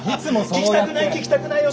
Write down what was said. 聞きたくない聞きたくないよ！